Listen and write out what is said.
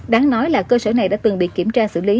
đáng nói là cơ sở này đã từng bị kiểm tra xử lý